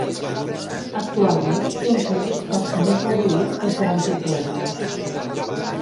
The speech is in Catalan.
Actualment, té uns límits força més reduïts que els de l'antic regne.